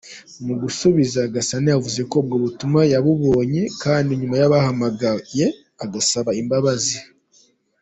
Mu gusubiza, Gasana yavuze ko ubwo butumwa yabubonye kandi nyuma yabahamagaye agasaba imbabazi.